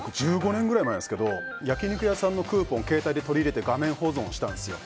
１５年くらい前ですけど焼き肉屋さんのクーポン携帯で取り入れて画面保存したんですよ。